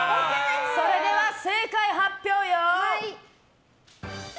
それでは正解発表よ。